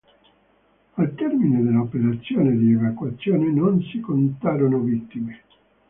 Al termine delle operazioni di evacuazione non si contarono vittime.